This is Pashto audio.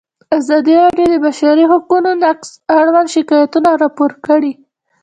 ازادي راډیو د د بشري حقونو نقض اړوند شکایتونه راپور کړي.